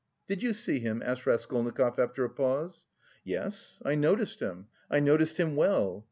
"Did you see him?" asked Raskolnikov after a pause. "Yes, I noticed him, I noticed him well."